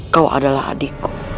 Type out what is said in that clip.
kau adalah adikku